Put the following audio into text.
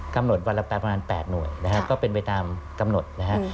กำหนดวันละประมาณ๘หน่วยนะครับก็เป็นไปตามกำหนดนะครับ